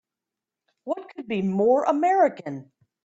What could be more American!